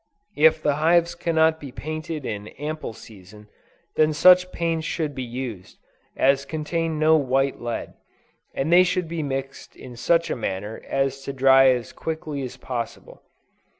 If the hives cannot be painted in ample season, then such paints should be used, as contain no white lead, and they should be mixed in such a manner as to dry as quickly as possible.